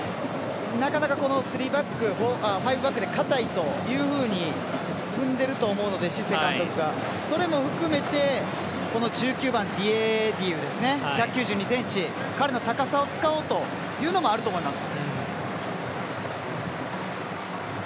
なかなかファイブバックでかたいというふうに踏んでいると思うのでシセ監督が。それも含めてこの１９番、ディエディウですね１９２ｃｍ彼の高さを使おうというのもあると思います。